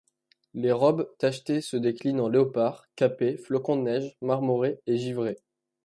Les robes tachetées se déclinent en léopard, capé, flocon de neige, marmoré et givré.